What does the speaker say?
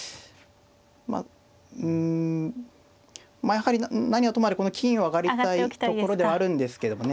まあうんまあやはり何はともあれこの金を上がりたいところではあるんですけどもね。